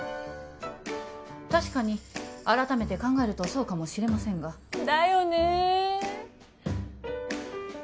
確かに改めて考えるとそうかもしれませんがだよね